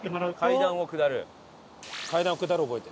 階段を下るを覚えて。